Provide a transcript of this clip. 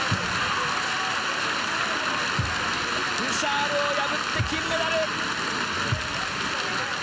ブシャールを破って金メダル。